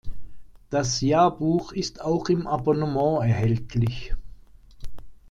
Das Jahrbuch ist auch im Abonnement erhältlich.